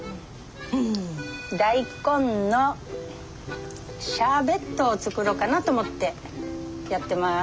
大根のシャーベットを作ろうかなと思ってやってます。